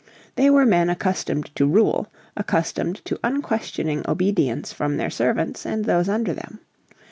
They were men accustomed to rule, accustomed to unquestioning obedience from their servants and those under them.